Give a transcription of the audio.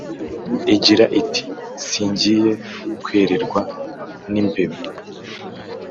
igira iti :"singiye kwererwa n' imbeba".